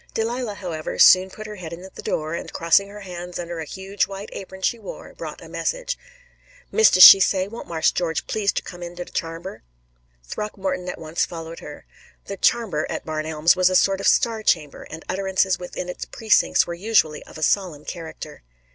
Delilah, however, soon put her head in the door, and, crossing her hands under a huge white apron she wore, brought a message. "Mistis, she say, won't Marse George please ter come in de charmber." Throckmorton at once followed her. The "charmber" at Barn Elms was a sort of star chamber, and utterances within its precincts were usually of a solemn character.